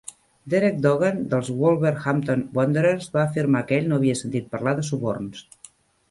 Derek Dougan, dels Wolverhampton Wanderers, va afirmar que ell no havia sentit parlar de suborns.